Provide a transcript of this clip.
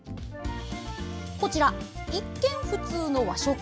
こちら、一見普通の和食。